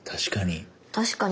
確かに。